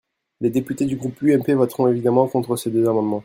Les députés du groupe UMP voteront évidemment contre ces deux amendements.